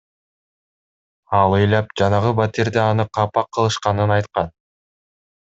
Ал ыйлап жанагы батирде аны капа кылышканын айткан.